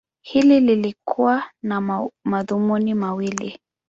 Hili lilikuwa na madhumuni mawili.